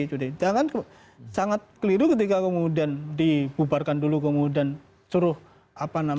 jangan sangat keliru ketika kemudian dibubarkan dulu kemudian suruh apa namanya